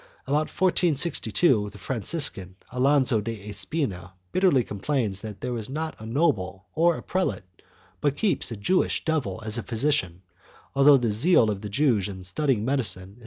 About 1462, the Franciscan, Alonso de Espina, bitterly complains that there is not a noble or a prelate but keeps a Jewish devil as a physician, although the zeal of the Jews in studying medicine is.'